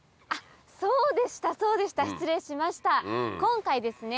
そうでしたそうでした失礼しました今回ですね